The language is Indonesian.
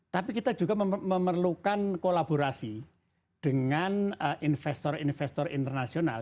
tapi kita juga memerlukan kolaborasi dengan investor investor internasional